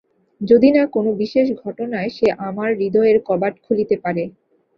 যদি না কোনো বিশেষ ঘটনায় সে আমার হৃদয়ের কবাট খুলিতে পারে।